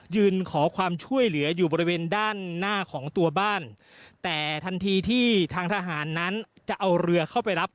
ยืนขอความช่วยเหลืออยู่บริเวณด้านหน้าของตัวบ้านแต่ทันทีที่ทางทหารนั้นจะเอาเรือเข้าไปรับ